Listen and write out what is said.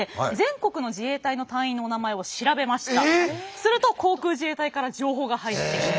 すると航空自衛隊から情報が入ってきて。